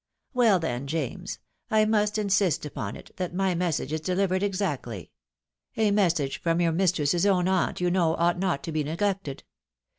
" Well then, James, I must insist upon it that my message is delivered exactly. A message from yovir mistress's own aunt, you know, ought not to be neglected.